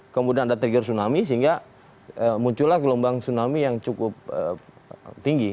kemudian ada trigger tsunami sehingga muncullah gelombang tsunami yang cukup tinggi